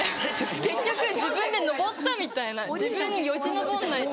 結局自分で登ったみたいな自分でよじ登んないと。